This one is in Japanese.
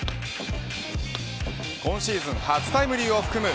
今シーズン初タイムリーを含む